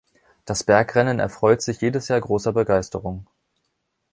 Das Bergrennen erfreut sich jedes Jahr großer Begeisterung.